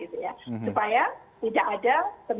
supaya tidak ada